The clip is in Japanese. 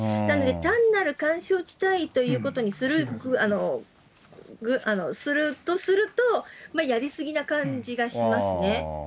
なので単なる緩衝地帯ということにするとすると、やり過ぎな感じがしますね。